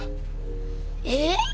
えっ！